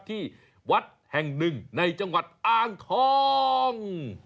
ที่วัดแห่งหนึ่งในจังหวัดอ้างทอง